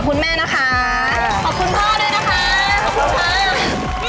ขอบคุณพ่อด้วยนะคะขอบคุณพ่อ